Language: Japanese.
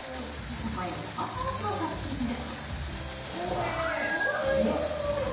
そこへチョコソースをトッピング。